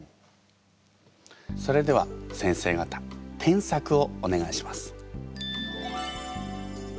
それでは先生方添削をお願いします。